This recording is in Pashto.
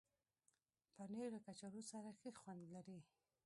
پنېر له کچالو سره ښه خوند لري.